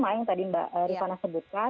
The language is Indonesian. yang tadi mbak rifana sebutkan